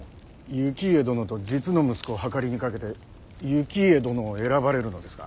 行家殿と実の息子を秤にかけて行家殿を選ばれるのですか。